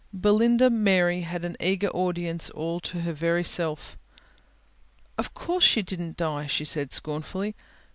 Belinda Mary had an eager audience all to her very self. "Of course she didn't die," she said scornfully.